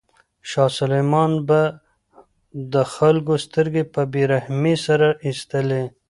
شاه سلیمان به د خلکو سترګې په بې رحمۍ سره ایستلې.